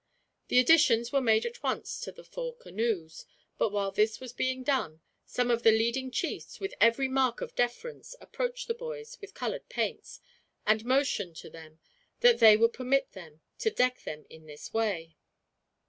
The additions were made at once to the four canoes; but while this was being done, some of the leading chiefs, with every mark of deference, approached the boys with colored paints; and motioned, to them, that they would permit them to deck them in this way.